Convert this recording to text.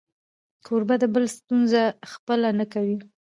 کوربه د بل ستونزه خپله نه کوي.